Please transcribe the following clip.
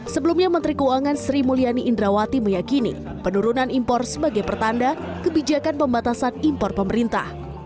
sebelumnya menteri keuangan sri mulyani indrawati meyakini penurunan impor sebagai pertanda kebijakan pembatasan impor pemerintah